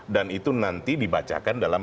dan itu nanti dibacakan dalam